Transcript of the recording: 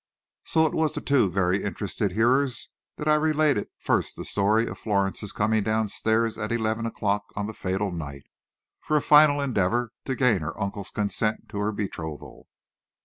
So it was to two very interested hearers that I related first the story of Florence's coming downstairs at eleven o'clock on the fatal night, for a final endeavor to gain her uncle's consent to her betrothal.